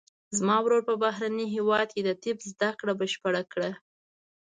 زما ورور په بهرني هیواد کې د طب زده کړه بشپړه کړه